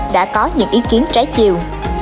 đã có những ý kiến trái chiều